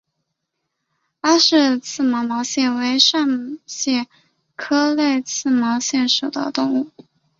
拉氏泪刺毛蟹为扇蟹科泪刺毛蟹属的动物。